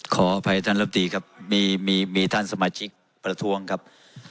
ขออภัยท่านลำตีครับมีท่านสมาชิกประท้วงครับ